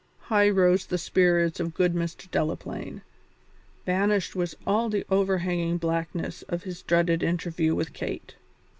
High rose the spirits of the good Mr. Delaplaine; banished was all the overhanging blackness of his dreaded interview with Kate.